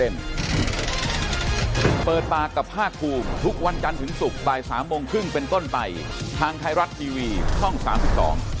เขาบอกเขาไม่ให้ก็ได้